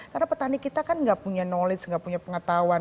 karena petani kita kan gak punya knowledge gak punya pengetahuan